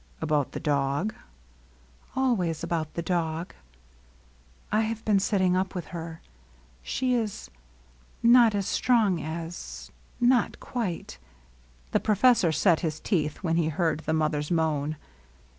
"About the dog?" " Always about the dog. I have been sitting up with her. She is — not as strong as — not quite "— The professor set his teeth when he heard the mother's moan.